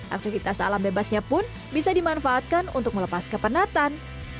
aktivitas alam bebasnya pun bisa dimanfaatkan untuk melepas kepenatan